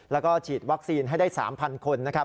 แล้วก็ฉีดวัคซีนให้ได้๓๐๐๐คน